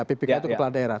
ppk itu kepala daerah